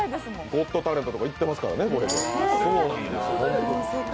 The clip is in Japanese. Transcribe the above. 「ゴットタレント」とか行ってますからね。